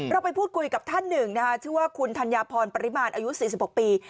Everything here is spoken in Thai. เราไปพูดคุยกับท่านหนึ่งนะคะชื่อว่าคุณธัญญาพรปริมาณอายุ๔๖ปี